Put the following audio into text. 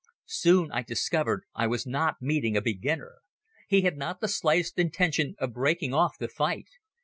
Soon I discovered that I was not meeting a beginner. He had not the slightest intention of breaking off the fight.